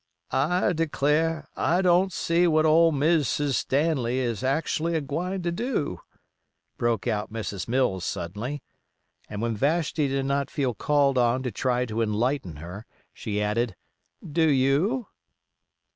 "I de clar, I don't see what old Mis's Stanley is actually a gwine to do," broke out Mrs. Mills, suddenly, and when Vashti did not feel called on to try to enlighten her she added, "Do you?"